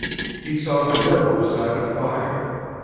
He saw the girl beside a fire.